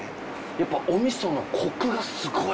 やっぱお味噌のコクがすごい。